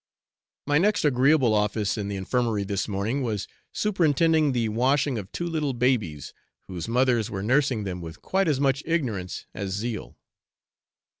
My next agreeable office in the Infirmary this morning was superintending the washing of two little babies, whose mothers were nursing them with quite as much ignorance as zeal.